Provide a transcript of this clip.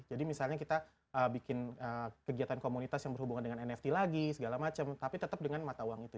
jadi misalnya kita bikin kegiatan komunitas yang berhubungan dengan nft lagi segala macam tapi tetap dengan mata uang itu